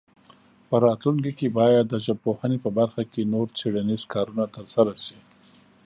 په راتلونکي کې باید د ژبپوهنې په برخه کې نور څېړنیز کارونه ترسره شي.